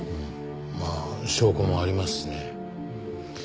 まあ証拠もありますしね。